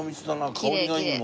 香りがいいもん。